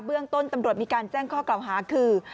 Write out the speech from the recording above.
เรื่องต้นตำรวจมีการแจ้งข้อกล่าวหาคือ